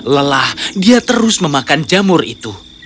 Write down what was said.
lelah dia terus memakan jamur itu